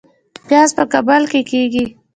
پیاز په کابل کې کیږي